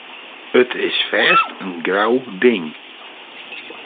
It is fêst in grou ding.